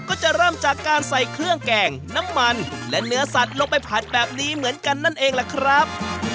ก็จะเริ่มจากการใส่เครื่องแกงน้ำมันและเนื้อสัตว์ลงไปผัดแบบนี้เหมือนกันนั่นเองล่ะครับ